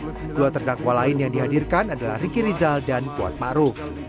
malam dua terdakwa lain yang dihadirkan adalah ricky rizal dan kuat pak ruf